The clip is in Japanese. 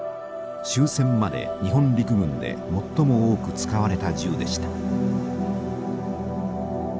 終戦まで日本陸軍で最も多く使われた銃でした。